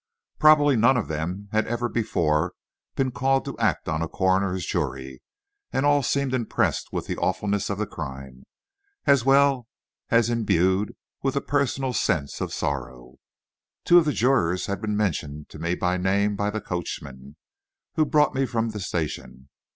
Probably none of them had ever before been called to act on a coroner's jury, and all seemed impressed with the awfulness of the crime, as well as imbued with a personal sense of sorrow. Two of the jurors had been mentioned to me by name, by the coachman who brought me from the station.